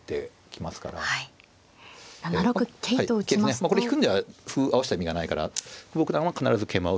まあこれ引くんでは歩合わせた意味がないから久保九段は必ず桂馬を打つと思います。